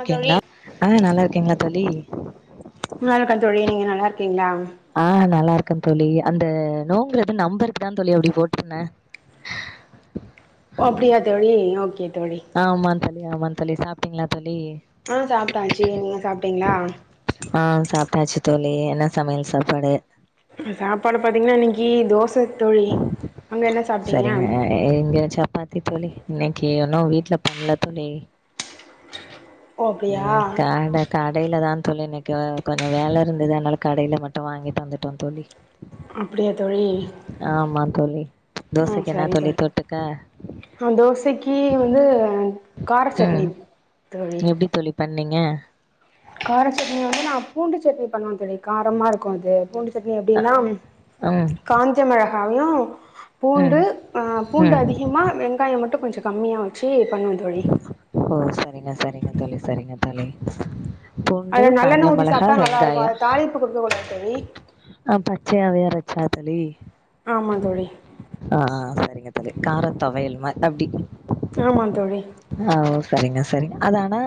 ஆ தோழி ஆ நல்லா இருக்கீங்ளா தோழி நல்லாருக்க தோழி நீங்க நல்லா இருக்கீங்ளா ஆ நல்லா இருக்கே தோழி அந்த நோங்கிறது நம்பர்க்குதா தோழி அப்டி போட்ருந்த ஓ அப்டியா தோழி ஓகே தோழி ஆமாந் தோழி ஆமாந் தோழி சாப்டீங்களா தோழி ஆ சாப்டாச்சு நீங்க சாப்டீங்ளா ஆ சாப்டாச்சு தோழி என்ன சமையல் சாப்பாடு சாப்பாடு பாத்தீங்கன்னா இன்னிக்கு தோச தோழி அங்க என்ன சாப்டீங்க அ இங்க சப்பாத்தி தோழி இன்னக்கி ஒன்னு வீட்ல பண்ல தோழி ஓ அப்டியா ம் கட கடைல தா தோழி இன்னிக்கு கொஞ்சோ வேல இருந்தது அதுனால கடைல மட்டு வாங்கிட்டு வந்துட்டோ தோழி அப்டியா தோழி ஆமாந் தோழி ம் தோசைக்கு என்னா சரி தோழி தொட்டுக்க ஆ தோசைக்கு வந்து கார சட்னி ம் தோழி எப்டி தோழி பண்ணீங்க கார சட்னி வந்து நா பூண்டு சட்னி பண்ணுவே தோழி காரமா இருக்கு அது பூண்டு சட்னி எப்டின்னா ம் காஞ்ச மொளகாவயு ம் பூண்டு அ பூண்டு ம் அதிகமா வெங்காயம் மட்டு கொஞ்ச கம்மியா வச்சு பண்ணுவ தோழி ஓ சரிங்க சரிங்க தோழி சரிங்க தோழி பூண்டு காஞ்ச மெளகா வெங்காயோ இப்ப குடுக்க கூடாது தோழி ஆ பச்சையாவே அரைச்சா தோழி ஆமா தோழி ஆ சரிங்க தோழி கார தொவையல் மா அப்டி ஆமாந் தோழி ஆ ஒ சரிங்க சரிங்க அத ஆனா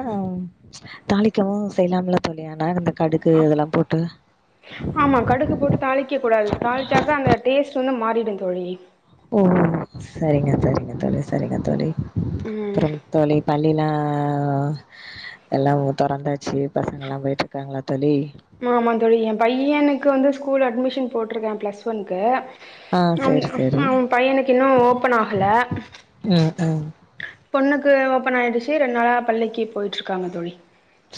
தாளிக்கவு செய்யலாம்ல தோழி ஆனா இந்த கடுகு இதெல்லா போட்டு ஆமா கடுகு போட்டு தாளிக்க கூடாது தாளிச்சாக்க அந்த டேஸ்ட் வந்து மாறிடும் தோழி ஓ சரிங்க சரிங்க தோழி சரிங்க தோழி ம் அப்பறம் தோழி பள்ளிலா எல்லாம் தெறந்தாச்சு பசங்க எல்லா போயிட்டு இருக்காங்களா தோழி மா ஆமா தோழி எ பையனுக்கு வந்து ஸ்கூல் அட்மிஷன் போட்டிருக்கே ப்ளஸ் ஒன்க்கு ஆ அவ சேரி சேரி அவ பையனுக்கு இன்னும் ஓப்பன் ஆகல ம் ம் பொண்ணுக்கு ஓபன் ஆயிடுச்சு ரெண்டு நாளா பள்ளிக்கு போயிட்டு இருக்காங்க தோழி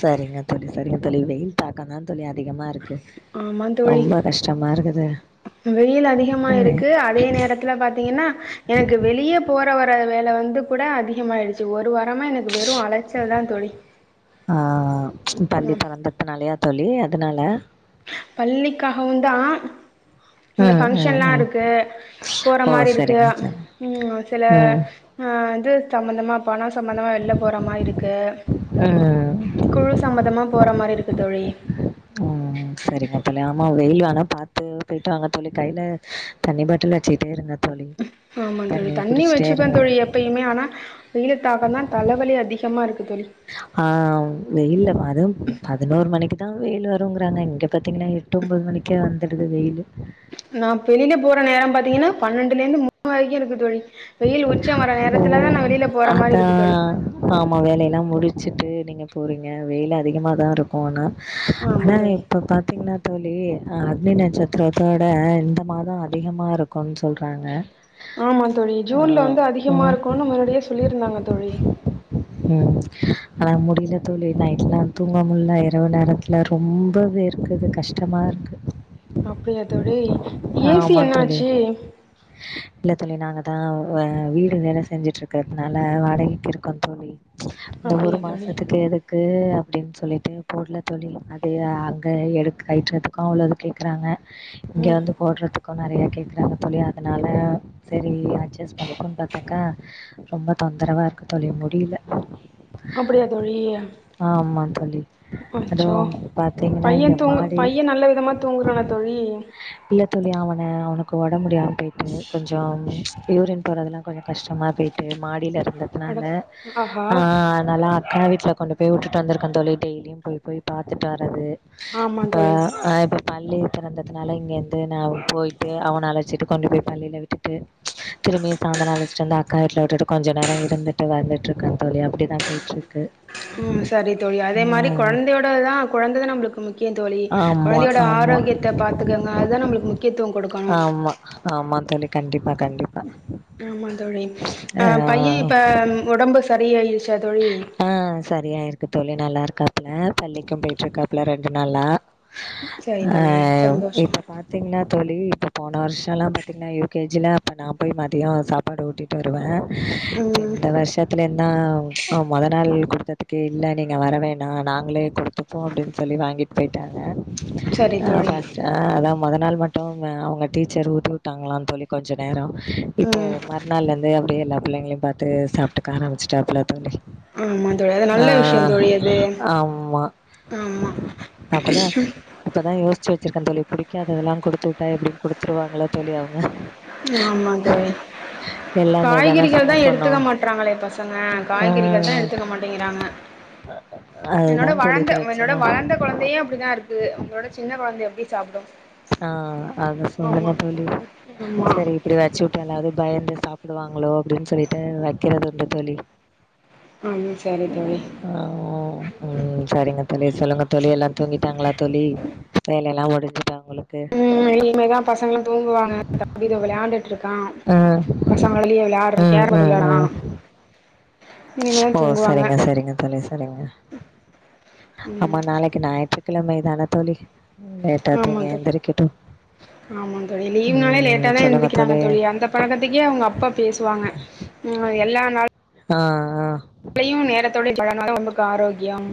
சரிங்க தோழி சரிங்க தோழி வெயில் தாக்கம் தா தோழி அதிகமாருக்கு ஆமா தோழி வெயில் அதிகமா இருக்கு அதே நேரத்துல பாத் திங்கன்னா எனக்கு வெளியே போற வர வேல வந்து கூட அதிகமாயிடுச்சு ஒரு வாரமா எனக் ஆ பள்ளி ம் தொறந்த து நாலேயா தோழி எதனால பள்ளிக்காகவுந்தா இந்த ம் பங்க்ஷன் ம் எல்லா ம் இருக்கு போற ஓ மாரி இருக்கு சரிங்க சரிங்க ம் சில ம் ஆ இது சம்பந்தமா பனோ சம்பந்தமா வெளில போற மாரி இருக்கு ம் குழு சம்மதமா போற மாரி இருக்கு தோழி ஆ சரிங்க தோழி ஆமா வெயில் வானா பாத்து போயிட்டு வாங்க தோழி கையில தண்ணி பாட்டில் வச்சுட்டே இருங்க தோழி ஆமா தோழி தண்ணி குடிச்சிட்டே வச்சிருப்பன் இருங்க தோழி எப் பையுமே ஆனா வெயிலத்தாக தா தலவலி அதிகமா இருக்கு தோழி ஆ வெயில்ல அது பதினோரு மணிக்குதா வெயில் வருங்கிறாங்க இங்க பாத்தீங்கன்னா எட்டு ஒன்பது மணிக்கே வந்துடுது வெயில் நா வெளில போற நேரம் பாத்தீங்கன்னா பன்னெண்டுல இருந்து மூணு வரைக்கு இருக்கு தோழி வெயில் உச்சம் வர ஓ நேரத்துலதா நா வெளியில போற மாரி இருக்கு தோழி அதான் ஆமா வேலையெல்லா முடிச்சுட்டு நீங்க போறீங்க வெயில அதிகமா தா இருக்கு போன ஆமா ஆனா தோழி இப்ப பாத்தீங்கன்னா தோழி அக்னி நட்சத்திரத்தோட இந்த மாதோ அதிகமாக இருக்கும்ன்னு சொல்றாங்க ஆமா தோழி ஆ ஜூன்ல வந்து அதிகமா ம் இருக்கும்னு முன்னாடியே சொல்லியிருந்தாங்க தோழி ம் ஆனா முடியல தோழி நைடலா தூங்கமா முடியல இரவு நேர எல்லா ரொம்போ வேர்க்குது கஷ்டமா இருக்கு அப்படியா தோழி ஏசி ஆமா என்ன தோழி ஆச்சி இல்ல தோழி நாங்க தா வா வீடு வேல செஞ்சுட்டு இருக்கிறதுனால வாடகைக்கு இருக்கோ தோழி இந்த ஒரு அப்டியா தோழி மாசத்துக்கு எதுக் இருக்கு அப்படின்னு சொல்லிட்டு போடல தோழி அது அங்க எடு கழுட்ரதுக்கு அவ்வளோ இருக்கு கேக்குஒறாங்க இங்க ம் வந்து போடுறதுக்கு நறையா கேக்றாங்க தோழி அதனால சே அப்டியே அட்ஜஸ் பண்ணிப்போனு பாத்தக்கா ரொம்ப தொந்தரவா இருக்கு தோழி முடியில அப்படியா தோழி ஆமா தோழி அச்சோ அதுவும் பாத்தீங்னா பைய இங்க தூங்கு மாடி பைய நல்ல விதமா தூங்குறானா தோழி இல்லத் தோழி அவன அவனுக்கு உடம்பு முடியாம போய்ட்டு கொஞ்சம் யூரின் போறது எல்லாம் கொஞ்சம் கஷ்டமா போய்ட்டு மாடியில இருந்ததுனால அட ஆஹா ஆ னால அக்கா வீட்டில கொண்டு போய் விட்டுட்டு வந்ருக்கன் தோழி டெய்லியும் போய் போய் பாத்துட்டு வரது ஆமா இப்ப தோழி இப்ப பள்ளி திறந்ததுனால இங்கே வந்து நான் போயிட்டு அவன அழைச்சிட்டு கொண்டு போய் பள்ளியில விட்டு டு திரும்பி சாயந்தரம் அழிச்சிட்டு வந்து அக்கா வீட்டுல விட்டுட்டு கொஞ்சம் நேரம் இருந்துட்டு வந்துட்டு இருக்க தோழி அப்படிதான் போய் டு இருக்கு ம் சரி தோழி அதே மாரி குழந்தையோடதான் குழந்தைதான் நம்மளுக்கு முக்கியம் தோழி ஆமா குழந்தையோட ஆமா ஆரோக்கியத்த பாத்துக்கங்க அதுதான் நம்மளுக்கு முக்கியத்துவம் கொடுக்கணும் ஆமா ஆமா தோழி கண்டிப்பா கண்டி ஆமா தோழி ஆஹ் பையன் இப்ப உடம்பு சரியயிடுச்சா தோழி ஆஹ் சரியா ஆயிருக்கு தோழி நல்லா இருக்காப்புல பள்ளிக்கும் போய்டு இருக்காப்புல ரெண்டு நாளா சரி தோழி அஹ் சந்தோஷோ இப்ப பாத் தீங்கன்னா தோழி இப்ப போன வருஷல்லாம் பாத்தீங்கன்னா யு கே ஜி ல அப்ப நான் போய் மதியம் சாப்பாடு ஊட்டிட்டு வருவேன் இப்போ ம் இந்த வருஷத்துல இருந்தான் மொத நாள் கொடுத்ததுக்கே இல்ல நீங்க வரவேணாம் நாங்களே கொடுத்துப்போம் அப்டின்னு சொல்லி வாங்கிட்டு போயிட்டாங்க சரி அ தோழி ஃபஸ்ட் அதான் மொத நாள் மட்டும் அவங்க டீச்சர் ஊட்டி விட்டாங்களா தோழி கொஞ்சம் நேரம் இப்ப ம் மர் நாள் லேருந்து அப்டியே எல்லா பிள்ளைங்களையும் பாத்து சாப்பட்டுக்க ஆரம்பச்சிட்டாப்பல தோழி ஆமா தோழி அது ஆ நல்ல விஷயம் தோழி அது ஆமா ஆமா இப்பதான் யோசிச்சு வச்சிருக்கேன் தோழி பிடிக்காததெல்லாம் கொடுத்துட்டா எப்படியு கொடுதுருவாங்கள தோழி அவங்க ஆமா தோழி எல்லாமே தான காய்கறிகள் தான் சாப்பட்ணு எடுத்துக்க மாட்டறாங்களே பசங்க காய்கறிகள் தான் ம் எடுத்துக்க மாட்டேங்கிறாங்க என்னோட அதுதா தோழி வளந்த என்னோட பிரச்சன வளந்த குழந்தையும் அப்படிதான் இருக்கு உங்களோட சின்ன குழந்த எப்படி சாப்டும் ஆஹ் அத சொல்லுங்க தோழி ஆமா சரி இப்படி வச்சு விட்டேனாலாவது பயந்து சாப்பிடுவாங்களோ அப்படின்னு சொல்லிட்டு வைக்கிறதுண்டு தோழி ம் சரி தோழி உம் சரிங்க தோழி சொல்லுங்க தோழி எல்லாம் தூங்கிட்டாங்களா தோழி வேலை எல்லாம் உடைஞ்சிட்டா உங்களுக்கு இல்ல இனிமேதான் பசங்களும் தூங்குவாங்க தத விளையாண்டு டு இருக்கான் ம் பசங்களயே யாரும் ம் கேர்ரம் போர்டு ம் விளையாட்றான் ம் ஓ சரிங்க சரிங்க தோழி சரிங்க ஆமா ம் நாளைக் கு ஞாயிற்றுக்கிழ மைதான தோழி லேட்டா ஆமா தூங்கி தோழி எந்தரைக்கட்டும் ஆமா தோழி லீவ்னாலே லேட்டா தான் எந்ரிக்கிறாங்க தோழி அந்த பழக்கத்துக்கே அவங்க அப்பா பேசுவாங்க உம் எல்லா நாள் ஆங் ஆ லேயும் நேரத்தோட கிளம்பினாதான் உங்களுக்கு ஆரோக்கியம்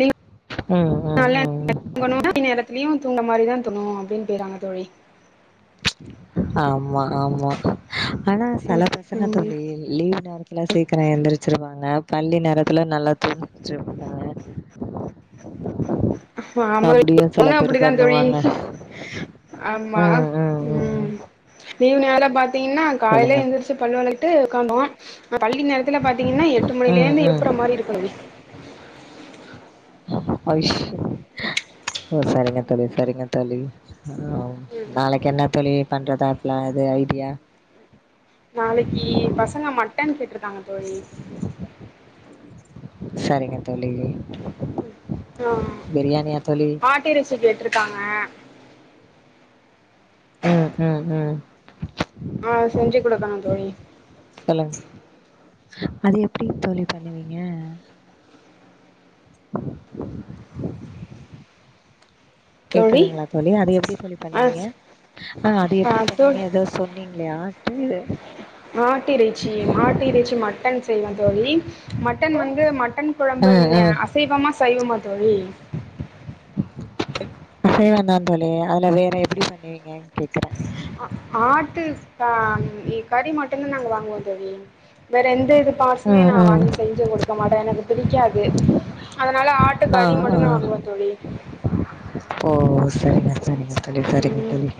நீ ம், ம், ல்ல ம். உங்கும் [inaudible] நேரத்துலயும் தூங்ற மாரி தான் தோணும் அப்படின்னுறாங்க தோழி ஆமா ஆமா ஆனா சில ம் பசங்க ம் தோழி லீவ் நேர த்ல சீக்கிரம் எழுந்திரிச்சிருவாங்க பள்ளி நேரத்துல நல்லா தூங்கிட்டு இருப்பாங்க ஆமா அப்டியும் சில [inaudible] பேர் அப்படிதா தோழி பண்ணுவாங்க. ஆமா ம் லீவு நாள்ல பாத்தீங்கன்னா காலயிலே சொல்லுங்க. எந்திர்ச் சு பள்ள வெளக்கிட்டு உக்காந்தோ பள்ளி நேரத்துல பாத்தீங்கன்னா எட்டு மணில ம், இருந்து ம். எப்புற மாரி இருக்கணு அவ்ஷோ ஓ சரிங்க தோலி சரிங்க தோழி நாளைக்கு என்ன தோழி பண்றதா பிளா இது ஐடியா நாளைக்கி பசங்க மட்டன் கேட்டுருக்காங்க தோழி சரிங்க தோழி ஆ பிரியாணியா தோழி ஆட்டிறைச்சி ககேட்டுருக்காங்க ம் ம் ம் ஆ செஞ்சு குடுக்கனு தோழி சொல்லுங் அது எப்படி தோழி பண்ணுவீங்க தோழி கேக்குதுங்களா தோழி அது எப்படி தோழி ஆ பண்ணுவீங்க ஆ அது எப்படி பண்ணுவீங்க ஏதோ சொன் நீங்களை ஆட்டு மாட்டு இறைச்சி மாட்டு இறைச்சி மட்டன் செய்வ தோழி மட்டன் வந்து மட்டன் ஆ குழம்பு நீங்க ஆ அ அசைவமா சைவமா தோழி அசைவம் தா தோழி அதுல வேற எப்படி பண்ணுவீங்கன் கேக்கறே அ ஆட்டு அம் கறி மட்டுத நாங்க வாங்குவோ தோழி வேற எந்த இது டாஸ்மே ம் நா ம் வாங்கி செஞ்சு குடுக்க மாட்டே எனக்கு பிடிக்காது அதனால ஆட்டு ஆ கறி மட்டு தா ஆ வாங்குவோ தோழி ஓ சரிங்க சரிங்க தோழி சரிங்க ம் தோழி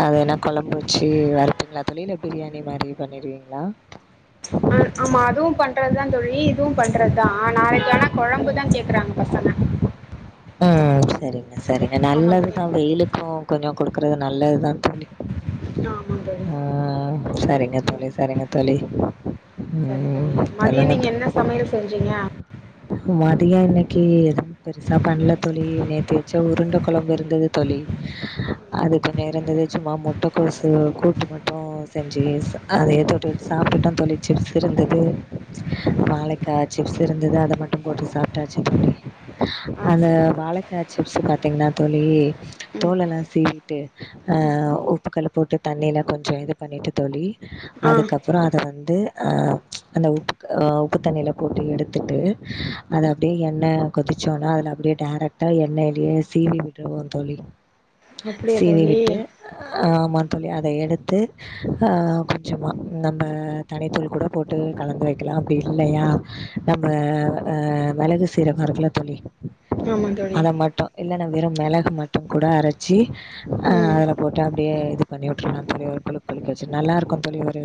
அது என்ன கொழம்பு வச்சு வறுப்பீங்களா தோழி இல்ல பிரியாணி மாரி பண்ணிருவீங்களா ஆமா அதுவு பண்றதுதா தோழி இதுவு பண்றதுதா நாளைக்கான கொழம்பு தா கேக்கறாங்க பசங்க அ சரிங்க சரிங்க ஆமா தோழி நல்லதுதா வெயிளுக்கு கொஞ்சோ குடுக்குறது நல்லதுதா தோழி ஆமா தோழி ஆ சரிங்க தோழி சரிங்க தோழி சரி ம் தோழி மதியம் நீங்க என்ன சமையல் செஞ்சீங்க மதிய இன்னைக்கு எதுவு பெருசா பண்ல தோழி நேத்து வச்ச உருண்ட கொழம்பு இருந்தது தோழி அது கொஞ்சோ இருந்தது சும்மா முட்ட கோசு கூட்டு மட்டு செஞ்சு சா அதே தொட்டுட் சாப்ட்டுட்டோ தோழி சிப்ஸ் இருந்தது வாளைக்கா சிப்ஸ் இருந்தது அத மட்டு போட்டு சாப்ட்டாச்சு தோழி ஆ அந்த சரி தோழி வாழக்கா சிப்ஸ் பாத்தீங்கன்னா தோழி ம் தோலல்லா சீவி டு அ உப்புக்கள்ளு போட்டு தண்ணீல கொஞ்ச இது பண்ணிட்டு தோழி ஆ அதுக்கப் பறோ அத வந்து அ அந்த உப்பு அ உப்பு தண்ணியில போட்டு எடுத்துட்டு அது அப்படியே எண்ண கொதிச்சோன அதல அப்படியே டேரக்ட்டா எண்ணெயிலயே சீவி விற்றுவோ தோழி அப்டியா சீவி தோழி விட்டு ஆமா தோழி அத எடுத்து ஆ கொஞ்சமா நம்ம தனித்தூள் கூட போட்டு கலந்து வைக்கலா அப்படி இல்லையா நம்ம ஆ மெளகு சீரகோ இருக்குல தோழி ஆமா தோழி அத மட்டு இல்லன்னா வெறு மெளகு மட்டு கூட அரைச்சி அ ம் அதுல போட்டா அப்படியே இது பண்ணி உட்ருனு தோழி ஒரு குழுக் குழுக்கி வெச்சு நல்லா இருக்கு தோழி ஒரு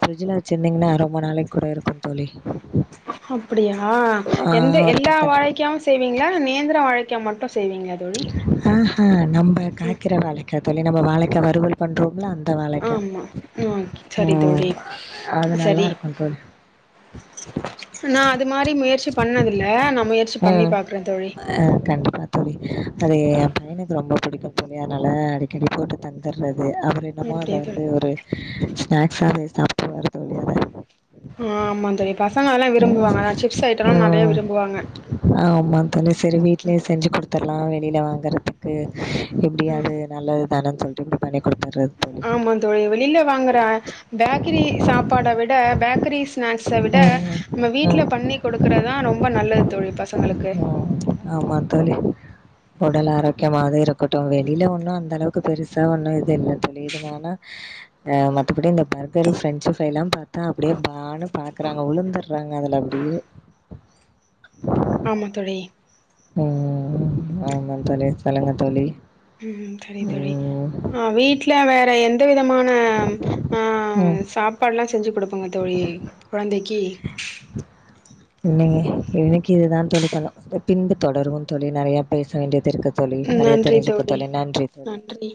ஃப்ரிட்ஜ்ல ச்சிங்தின்னா ரொம்ப நாளைக் கூட இருக்கு தோழி அப்படியா ஆ எந்த ஒரு எல்லா பத்து வாழைக்காவு செய்விங்களா நேந்திரோ வாழைக்கா மட்டு செய்விங்களா தோழி ஆஹ நம்ம கா்க்கிற வாழை த தோழி நம்ம வாழைக்கா வறுவல் பண்றோம்லா அந்த வாழைக்கா ஆமா ம் சரி உம் தோழி அது நல்லா சரி இருக்கு தோழி நா அது மாரி முயற்சி பண்ணதில்ல நா முயற்சி பண்ணி ம். பாக்றே தோழி அ கண்டிப்பா தோழி அது ஏ பையனுக்கு ரொம்ப புடிக்கும் தோழியானால அடிக்கடி போட்டு தந்துடுறது அவரு இன்னமு அத அப்டியா தோழி வந்து ஒரு ஸ்நாக்ஸவே சாப்புடுவாரு தோழிய அத ஆமா தோழி பசங்க அதெலா விரும்புவாங்க நா சிப்ஸ் ஐட்டோல்லா நெறைய விரும்புவாங்க ஆ ஆமா தானே சேரி வீட்லயே செஞ்சு குடுத்தர்லா வெளில வாங்கறதுக்கு எப்டியாது நல்லது தானே தோழின்ட்டு பண்ணி குடுப்பே ஆமா தோழி வெளில வாங்கற பேக்ரி சாப்பாட விட பேக்ரி ஸ்நாக்ஸ விட ம், நம்ம வீட்ல ம். பண்ணி குடுக்கறதுதா ரொம்ப நல்லது தோழி பசங்களுக்கு ம். ஆமா தோழி உடல் ஆரோக்கியமாது இருக்கட்டு வெளில ஒண்ணு அந்த அளவுக்கு பெருசா ஒண்ணு இது இல்ல தெரியுதுனானா மத்தபடி இந்த பர்கர் பிரென்ஞ்சு ஃரை எல்லா பாத்தா அப்டியே பான்னு பாக்கறாங்க உளுந்தர பன்றாங்க அதில் அப்டியே ஆமா தோழி ம் ஆமா தோழி சொல்லுங்க தோழி ம் சேரி தோழி ம் ஆ வீட்ல வேற எந்த விதமா ன ஆ ம் சாப்பாடுல்லா செஞ்சு குடுப்பங்க தோழி குழந்தைக்கு இன்னைங் இன்னைக்கு இதுதா தோழி பண்ணு பின்பு தொடரு தோழி நெறைய பேச வேண்டியது இருக்குது தோழி நெறைய நன்றி தெரிஞ்சுப்ப தோழி ழோழி நன்றி தோழி நன்றி